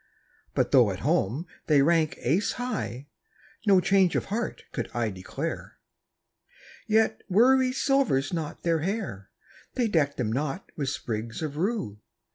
But though at home they rank ace high, No change of heart could I declare. Yet worry silvers not their hair; They deck them not with sprigs of rue.